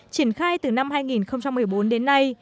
triển khai từ năm hai nghìn một mươi bốn đến nay